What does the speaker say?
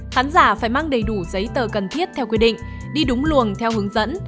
khán giả phải mang đầy đủ giấy tờ cần thiết theo quy định đi đúng luồng theo hướng dẫn